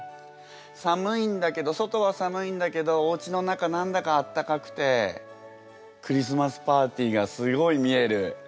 寒いんだけど外は寒いんだけどおうちの中何だかあったかくてクリスマスパーティーがすごい見える。